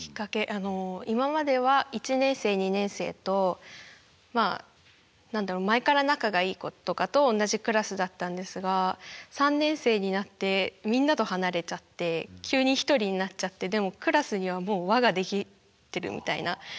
あの今までは１年生２年生とまあ何だろ前から仲がいい子とかと同じクラスだったんですが３年生になってみんなと離れちゃって急に１人になっちゃってでもクラスにはもう輪ができてるみたいな。